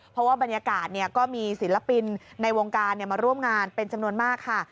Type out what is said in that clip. เพราะว่าบรรยากาศก็มีศิลปินในวงการมาร่วมงานเป็นจำนวนมากค่ะ